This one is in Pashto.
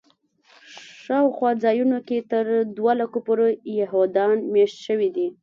شاوخوا ځایونو کې تر دوه لکو پورې یهودان میشت شوي دي.